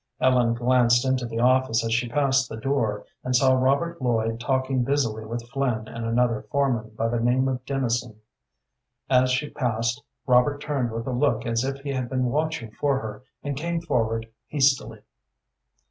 Ellen glanced into the office as she passed the door, and saw Robert Lloyd talking busily with Flynn and another foreman by the name of Dennison. As she passed, Robert turned with a look as if he had been watching for her, and came forward hastily.